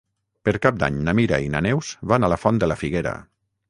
Per Cap d'Any na Mira i na Neus van a la Font de la Figuera.